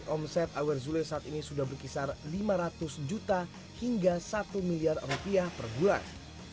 omset awer zule saat ini sudah berkisar lima ratus juta hingga satu miliar rupiah per bulan